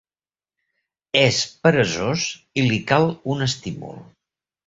És peresós i li cal un estímul.